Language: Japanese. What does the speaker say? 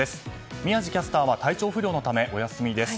宮司キャスターは体調不良のためお休みです。